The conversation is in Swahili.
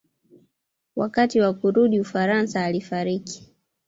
Wakati wa kurudi Ufaransa alifariki.